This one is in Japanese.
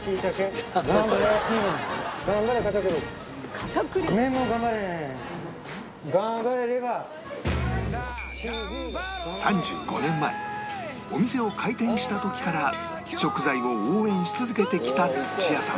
「片栗粉」３５年前お店を開店した時から食材を応援し続けてきた土谷さん